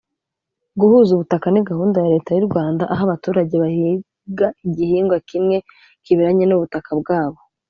Guhuza ubutaka ni gahunda ya Leta y’ u Rwanda aho abaturage bahiga igihingwa kimwe kiberanye n’ ubutaka bwabo